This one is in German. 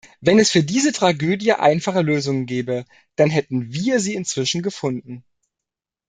Wenn es für diese Tragödie einfache Lösungen gäbe, dann hätten wir sie inzwischen gefunden.